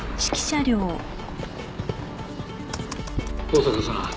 香坂さん。